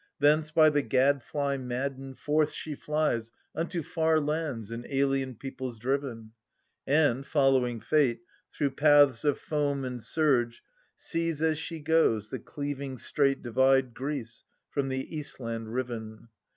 Thence, by the gadfly maddened, forth she flies Unto far lands anc^ alien peoples driven : And, following fate, through paths of foam and surge, Sees, as she goes, the cleaving strait divide Greece, from the Eastland riven.